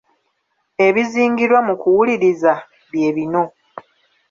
Ebizingirwa mu kuwuliriza bye bino.